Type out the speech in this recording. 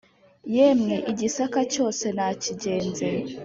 yemwe i gisaka cyose nakigenze